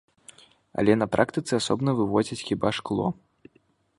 Але на практыцы асобна вывозяць хіба шкло.